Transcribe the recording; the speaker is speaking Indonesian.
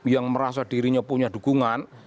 yang merasa dirinya punya dukungan